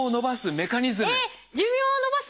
えっ寿命を延ばす？